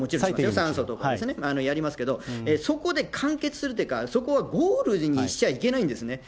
酸素とかはやりますけど、そこで完結するというか、そこはゴールにしちゃいけないんですね。